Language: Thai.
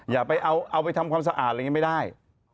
อย่าไปเอาไปทำความสะอาดอะไรอย่างนี้ไม่ได้